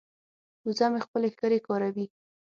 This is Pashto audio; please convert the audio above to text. وزه مې خپلې ښکرې کاروي.